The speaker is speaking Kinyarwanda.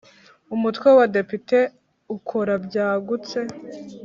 Umutwe w’ Abadepite ukora byagutse.